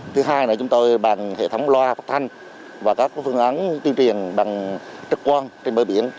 thứ hai là chúng tôi bàn hệ thống loa phát thanh và các phương án tuyên truyền bằng trực quan trên bờ biển